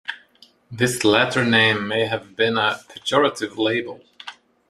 This latter name may have been a pejorative label.